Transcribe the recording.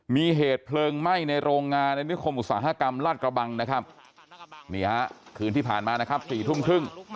มีเหตุเพลิงไม่ในโรงงานอุตสาหกรรมรัดกระบัง